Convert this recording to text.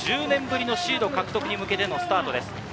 １０年ぶりのシード獲得に向けてのスタートです。